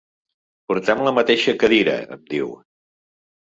Portem la mateixa cadira —em diu.